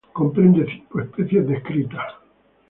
Comprende cinco especies descritas.